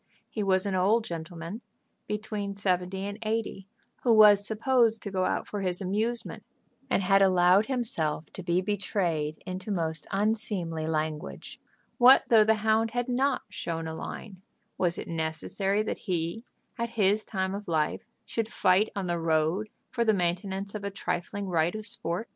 He was an old gentleman, between seventy and eighty, who was supposed to go out for his amusement, and had allowed himself to be betrayed into most unseemly language. What though the hound had not "shown a line?" Was it necessary that he, at his time of life, should fight on the road for the maintenance of a trifling right of sport.